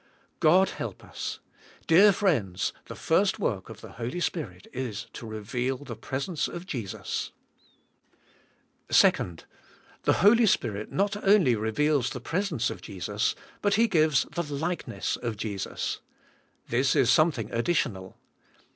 God help us. Dear friends, the first work of the Holy Spirit is to reveal the presence of Jesus. 2. The Holy Spirit not only reveals the presence of Jesus but He g ives the likeness of Jesus. This is something additional.